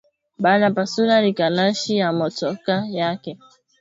Bana pasula rikalashi ya motoka yake